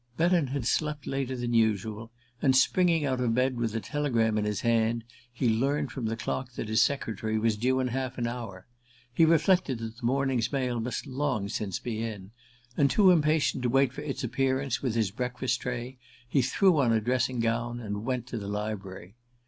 Betton had slept later than usual, and, springing out of bed with the telegram in his hand, he learned from the clock that his secretary was due in half an hour. He reflected that the morning's mail must long since be in; and, too impatient to wait for its appearance with his breakfast tray, he threw on a dressing gown and went to the library.